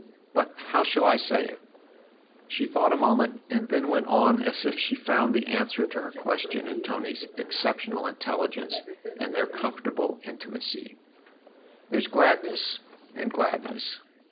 But how shall I say it ?" She thought a moment and then went on as if she found the answer to her question in Tony's exceptional intelligence and their comfortable in timacy. " There's gladness and gladness.